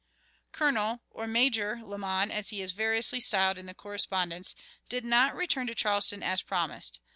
Colonel, or Major, Lamon, as he is variously styled in the correspondence, did not return to Charleston, as promised.